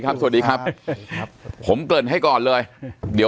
ปากกับภาคภูมิ